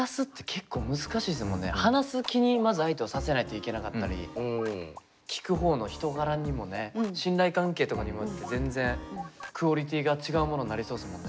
話す気にまず相手をさせないといけなかったり聞く方の人柄にもね信頼関係とかにもよって全然クオリティーが違うものになりそうですもんね。